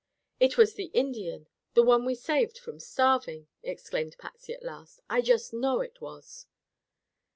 "It was the Indian, the one we saved from starving!" exclaimed Patsy at last, "I just know it was."